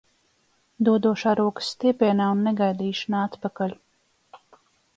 Dodošā rokas stiepienā un negaidīšanā atpakaļ.